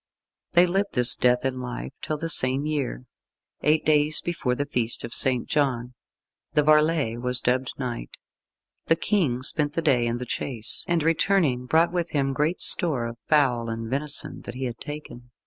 They lived this death in life till the same year eight days before the Feast of St. John the varlet was dubbed knight. The King spent the day in the chase, and returning, brought with him great store of fowl and venison that he had taken.